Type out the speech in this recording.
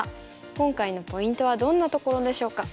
今回のポイントはどんなところでしょうか。